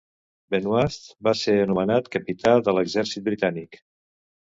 Benoist va ser anomenat capità de l'exèrcit britànic.